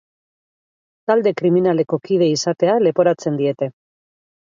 Talde kriminaleko kide izatea leporatzen diete.